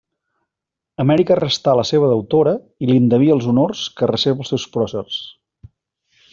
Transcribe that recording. Amèrica restà la seva deutora i li'n devia els honors que reserva als seus pròcers.